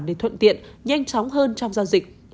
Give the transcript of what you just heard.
để thuận tiện nhanh chóng hơn trong giao dịch